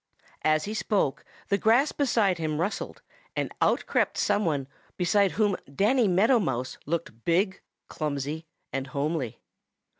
As he spoke the grass beside him rustled, and out crept some one beside whom Danny Meadow Mouse looked big, clumsy and homely.